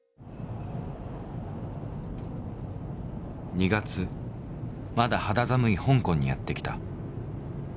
２月まだ肌寒い香港にやって来た。